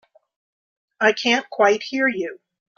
I can't quite hear you.